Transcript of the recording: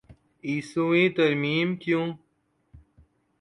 ائیسویں ترمیم کیوں؟